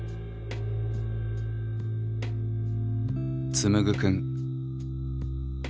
つむぐくん。